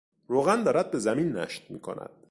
روغن دارد به زمین نشت میکند.